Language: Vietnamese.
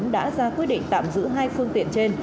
đã ra quyết định tạm giữ hai phương tiện trên